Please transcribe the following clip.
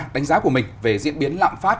đánh giá của mình về diễn biến lạng phát